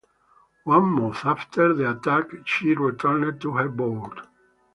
One month after the attack, she returned to her board.